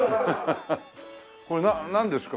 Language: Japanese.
これなんですか？